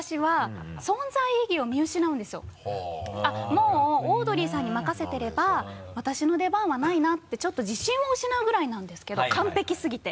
「あっもうオードリーさんに任せてれば私の出番はないな」ってちょっと自信を失うぐらいなんですけど完璧すぎて。